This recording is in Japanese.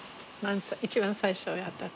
一番最初やった時。